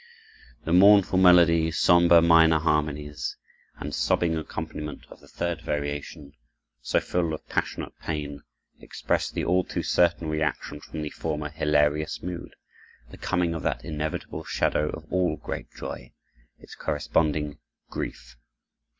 The mournful melody, somber minor harmonies, and sobbing accompaniment of the third variation, so full of passionate pain, express the all too certain reaction from the former hilarious mood, the coming of that inevitable shadow of all great joy—its corresponding grief.